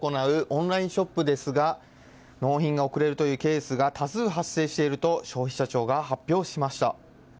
オンラインショップですが納品が遅れるというケースが多数、発生していると消費者庁が発表しました。